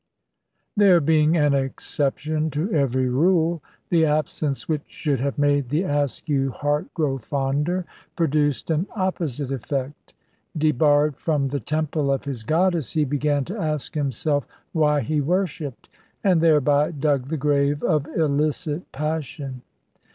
There being an exception to every rule, the absence which should have made the Askew heart grow fonder produced an opposite effect. Debarred from the temple of his goddess, he began to ask himself why he worshipped, and thereby dug the grave of illicit passion.